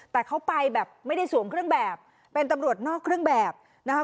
แต่เขาไปแบบไม่ได้สวมเครื่องแบบเป็นตำรวจนอกเครื่องแบบนะคะ